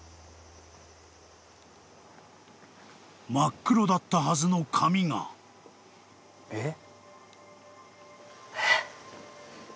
［真っ黒だったはずの紙が］えっ！？